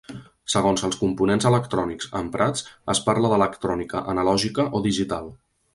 Segons els components electrònics emprats, es parla d'electrònica analògica o digital.